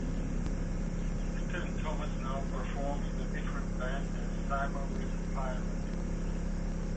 Pitter and Thomas now perform in a different band as "Symarip Pyramid".